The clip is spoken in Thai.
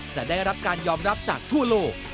จะได้รับการยอมรับจากทั่วโลก